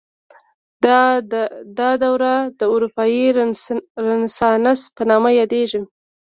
دا دوره د اروپايي رنسانس په نامه یاده شوې.